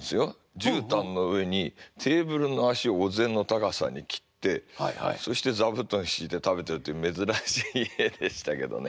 じゅうたんの上にテーブルの脚をお膳の高さに切ってそして座布団敷いて食べてるって珍しい家でしたけどね。